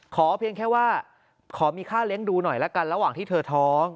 เพียงแค่ว่าขอมีค่าเลี้ยงดูหน่อยละกันระหว่างที่เธอท้อง